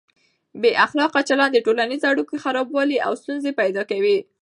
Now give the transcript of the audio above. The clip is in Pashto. بې اخلاقه چلند د ټولنیزو اړیکو خرابوالی او ستونزې پیدا کوي.